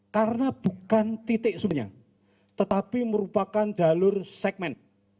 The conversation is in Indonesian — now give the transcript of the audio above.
karena bukan titik sebenarnya tetapi merupakan jalur segmen